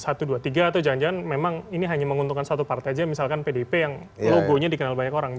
atau jangan jangan memang ini hanya menguntungkan satu partai saja misalkan pdip yang logonya dikenal banyak orang